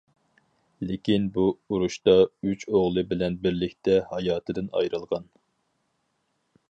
لېكىن، بۇ ئۇرۇشتا ئۈچ ئوغلى بىلەن بىرلىكتە ھاياتىدىن ئايرىلغان.